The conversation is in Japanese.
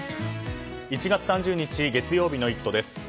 １月３０日月曜日の「イット！」です。